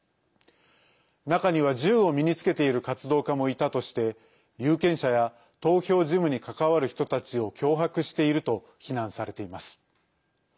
中には、銃を身につけている活動家もいたとして有権者や投票事務に関わる人たちを脅迫していると非難されています。